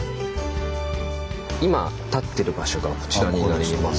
今立ってる場所がこちらになります。